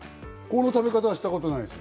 この食べ方はしたことないです。